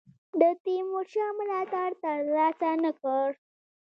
د تیمورشاه ملاتړ تر لاسه نه کړ.